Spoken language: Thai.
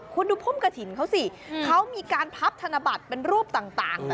คุณดูพุ่มกระถิ่นเขาสิเขามีการพับธนบัตรเป็นรูปต่าง